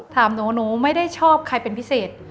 ถามหนูหนูไม่ได้ชอบใครเป็นพิเศษ